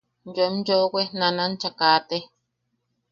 Yoem yoʼowe nanancha kate.